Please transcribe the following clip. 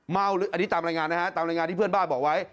อันนี้ตามรายงานนะฮะตามรายงานที่เพื่อนบ้านบอกไว้